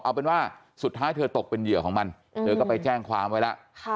เอาเป็นว่าสุดท้ายเธอตกเป็นเหยื่อของมันเธอก็ไปแจ้งความไว้แล้ว